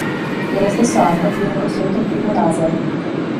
Nello stesso anno viene costruito il primo laser.